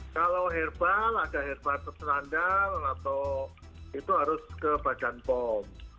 kalau herbal ada herbal sandal atau itu harus ke badan pom